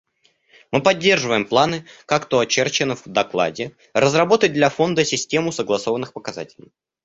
Мы поддерживаем планы, как то очерчено в докладе, разработать для Фонда систему согласованных показателей.